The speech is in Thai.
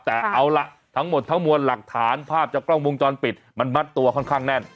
แต่เอาล่ะทั้งหมดทั้งมวลหลักฐานภาพจากกล้องวงจรปิดมันมัดตัวค่อนข้างแน่น